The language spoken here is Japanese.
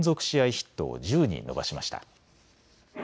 ヒットを１０に伸ばしました。